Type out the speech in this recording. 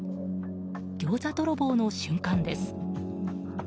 ギョーザ泥棒の瞬間です。